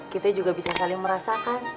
kita juga bisa saling merasakan